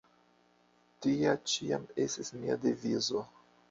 Tia ĉiam estis mia devizo.